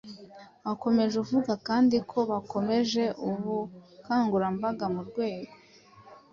wakomeje avuga kandi ko bakomeje ubukangurambaga mu rwego